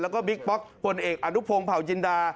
แล้วก็บิ๊กป๊อกผลเอกอนุพงศ์เผาจินดา